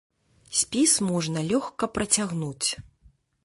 Спіс можна лёгка працягнуць.